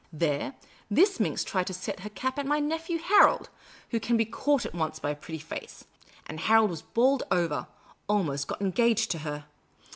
There, this minx tried to set her cap at my nephew Harold, who can be caught at once by a pretty face ; and Harold was bowled over — almost got engaged to her.